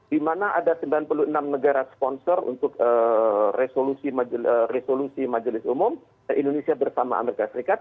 di mana ada sembilan puluh enam negara sponsor untuk resolusi majelis umum indonesia bersama amerika serikat